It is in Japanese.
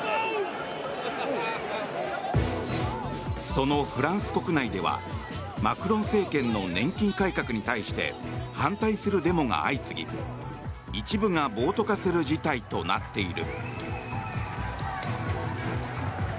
そのフランス国内ではマクロン政権の年金改革に対して反対するデモが相次ぎ一部が暴徒化する事態となっている。